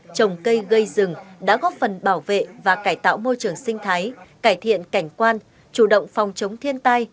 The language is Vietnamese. trồng cây gây rừng đã góp phần bảo vệ và cải tạo môi trường sinh thái cải thiện cảnh quan chủ động phòng chống thiên tai